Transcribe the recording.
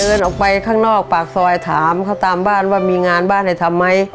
เดินออกไปข้างนอกปากซอยถามเขาตามบ้านว่ามีงานบ้านให้ทำไหม